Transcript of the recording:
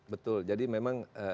betul jadi memang